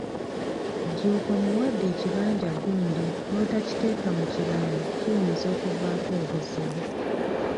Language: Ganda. Jjuuko muwadde ekibanja gundi n'otakiteeka mu kiraamo kiyinza okuvaako obuzibu.